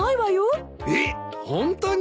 えっホントに？